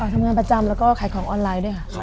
ทำงานประจำแล้วก็ขายของออนไลน์ด้วยค่ะ